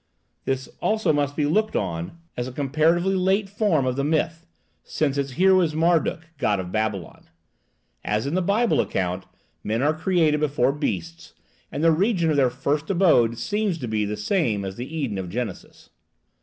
This also must be looked on as a comparatively late form of the myth, since its hero is Marduk, god of Babylon. As in the Bible account, men are created before beasts, and the region of their first abode seems to be the same as the Eden of Genesis.